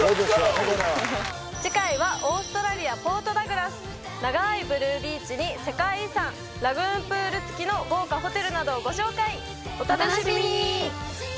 これは次回はオーストラリアポートダグラス長いブルービーチに世界遺産ラグーンプール付きの豪華ホテルなどをご紹介お楽しみに！